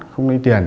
không lấy tiền